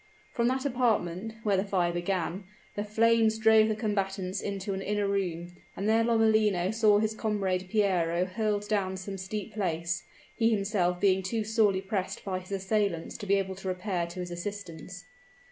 From that apartment, where the fire began, the flames drove the combatants into an inner room, and there Lomellino saw his comrade Piero hurled down some steep place, he himself being too sorely pressed by his assailants to be able to repair to his assistance.